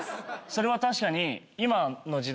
それは確かに。